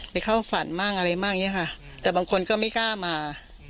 เข้าฝันบ้างอะไรบ้างอย่างนี้ค่ะแต่บางคนก็ไม่กล้ามา